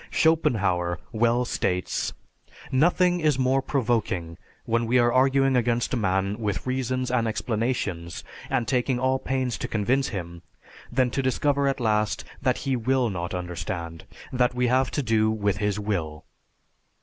Schopenhauer well states, "Nothing is more provoking, when we are arguing against a man with reasons and explanations, and taking all pains to convince him, than to discover at last that he will not understand, that we have to do with his will."